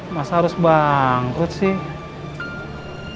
masa harus bangkrut sih